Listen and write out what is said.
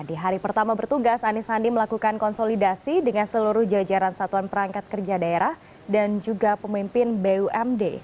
di hari pertama bertugas anies sandi melakukan konsolidasi dengan seluruh jajaran satuan perangkat kerja daerah dan juga pemimpin bumd